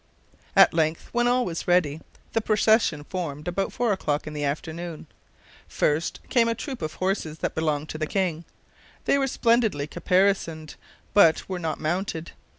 At length, when all was ready, the procession formed about four o'clock in the afternoon. First came a troop of horses that belonged to the king. They were splendidly caparisoned, but were not mounted.